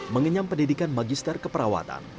mengenyam pendidikan magister keperawatan